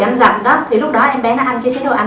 ăn rặn đó thì lúc đó em bé nó ăn cái chế độ ăn